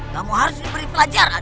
kamu harus diberi pelajaran